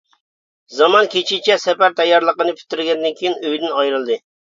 زامان كېچىچە سەپەر تەييارلىقىنى پۈتتۈرگەندىن كېيىن ئۆيدىن ئايرىلدى.